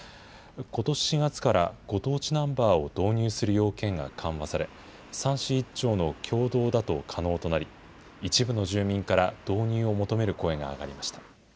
ことし４月からご当地ナンバーを導入する要件が緩和され、３市１町の共同だと可能となり、一部の住民から導入を求める声が上がりました。